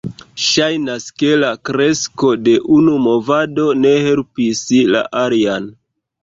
Ŝajnas ke la kresko de unu movado ne helpis la alian.